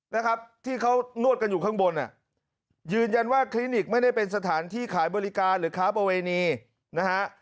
นะครับที่เขานวดกันอยู่ข้างบนอ่ะยืนยันว่าคลินิกไม่ได้เป็นสถานที่ขายบริการหรือค้าประเวณีนะฮะ